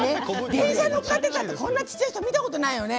電車乗っかってたってこんな小さい人見たことないよね。